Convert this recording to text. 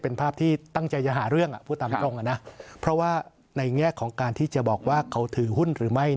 เป็นภาพที่ตั้งใจจะหาเรื่องว่านโมงนั่นเนาะเพราะว่าในแง่ของการที่จะบอกว่าเขาถือหุ้น